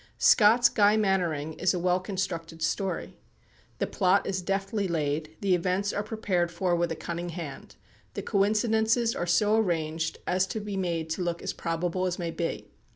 Scott's "Guy Mannering" is a well constructed story. The plot is deftly laid, the events are prepared for with a cunning hand; the coincidences are so arranged as to be made to look as probable as may be.